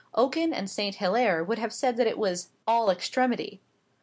Oken and St Hilaire would have said that it was "all extremity."